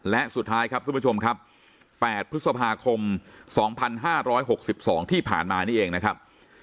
และสุดท้ายครับทุกผู้ชมครับ๘พฤษภาคม๒๕๖๒ที่ผ่านมานี่เองนะครับ